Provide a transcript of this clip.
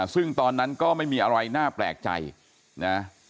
ซึ่งตอนนั้นก็ไม่มีอะไรน่าแปลกใจนะ